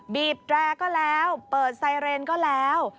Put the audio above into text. บีบแตรก็แล้วเปิดไซเรนก็แล้ว